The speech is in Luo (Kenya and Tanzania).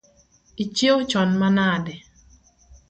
Ichieo chon manade?